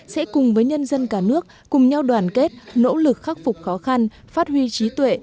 sẽ cùng với nhân dân cả nước cùng nhau đoàn kết nỗ lực khắc phục khó khăn phát huy trí tuệ